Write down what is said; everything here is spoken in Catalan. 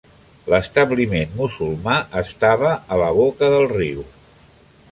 L'establiment musulmà estava a la boca del riu.